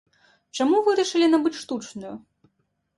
Чаму вырашылі набыць штучную?